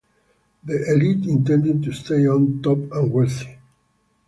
The elite intended to stay on top and wealthy.